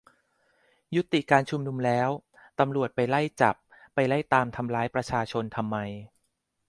ยุติการชุมนุมแล้ว ตำรวจไปไล่จับ ไปไล่ตามทำร้ายประชาชนทำไม ?